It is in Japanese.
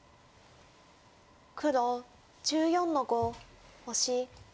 黒１４の五オシ。